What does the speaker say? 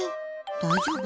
大丈夫？